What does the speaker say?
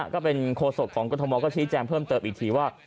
ก็เป็นโคศกของกรทมก็ชี้แจงเพิ่มเติมอีกทีว่า